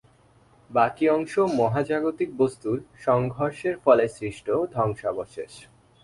বাকী অংশ মহাজাগতিক বস্তুর সংঘর্ষের ফলে সৃষ্ট ধ্বংসাবশেষ।